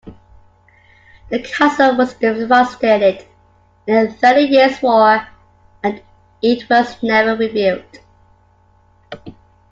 The castle was devastated in the Thirty Years' War, and it was never rebuilt.